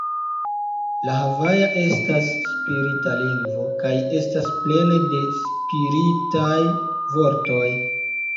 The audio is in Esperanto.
La havaja estas spirita lingvo kaj estas plene de spiritaj vortoj.